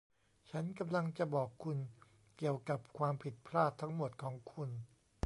ฉันกำลังจะบอกคุณเกี่ยวกับความผิดพลาดทั้งหมดของคุณ